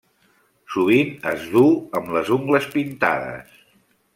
Sovint es duu amb les ungles pintades.